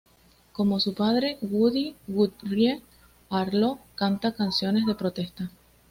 Como su padre, Woody Guthrie, Arlo canta canciones de protesta.